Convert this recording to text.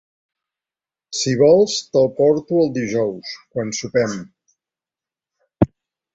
Si vols te'l porto el dijous, quan sopem.